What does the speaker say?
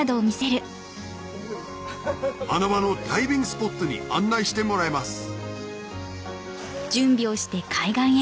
穴場のダイビングスポットに案内してもらいます